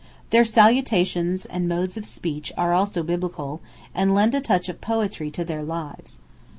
Their salutations and modes of speech are also Biblical, and lend a touch of poetry to their lives.